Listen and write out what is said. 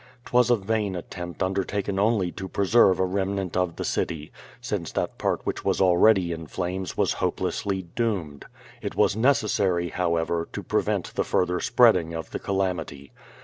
'Twas a vain attempt undertaken only to preserve a remnant of the city, since that part which was already in flames was hopelessly doomed. It was necessary, however, to prevent the further spreading of the calamity.